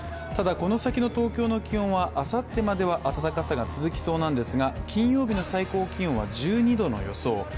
ただ、この先の東京の気温はあさってまでは暖かさが続きそうなんですが金曜日の最高気温は１２度の予想。